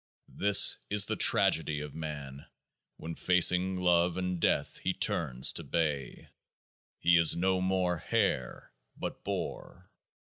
This is the Tragedy of Man when facing Love and Death he turns to bay. He is no more hare, but boar.